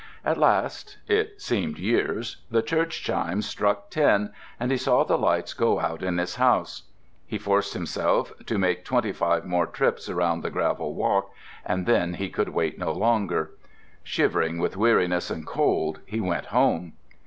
At last—it seemed years—the church chimes struck ten and he saw the lights go out in his house. He forced himself to make twenty five more trips around the gravel walk and then he could wait no longer. Shivering with weariness and cold, he went home.